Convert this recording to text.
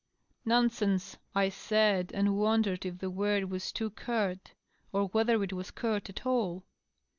" Nonsense !" I said, and wondered if the word was too curt, or whether it was curt at all.